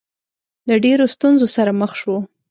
له ډېرو ستونزو سره مخ شو.